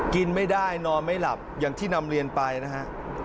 กินไม่ในไม่นอนอย่างที่นำเรียนไปนะฮะ